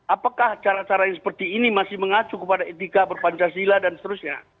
apakah cara cara yang seperti ini masih mengacu kepada etika berpancasila dan seterusnya